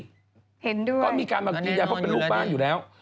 เห็นด้วยก็แน่นอนอยู่แล้วนี่ก็มีการยืนยันเขาเป็นลูกบ้านอยู่แล้ว